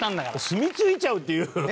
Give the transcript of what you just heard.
住み着いちゃうっていう。